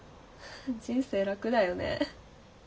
フフ人生楽だよね。